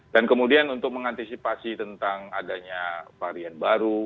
dan kemudian untuk mengantisipasi tentang adanya varian baru